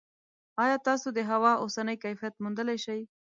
ایا تاسو د هوا اوسنی کیفیت موندلی شئ؟